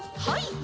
はい。